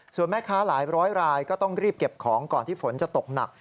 ส่วนแม่ค้าหลายร้อยรายก็ต้องรีบเก็บของก่อนที่ฝนจะตกหนัก